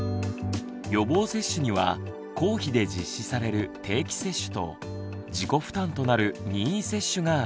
予防接種には公費で実施される「定期接種」と自己負担となる「任意接種」があります。